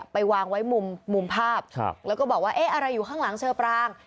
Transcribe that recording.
ไปวางไว้มุมภาพแล้วก็บอกว่าเอ๊ะอะไรอยู่ข้างหลังเชอปราง